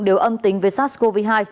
đều âm tính về sars cov hai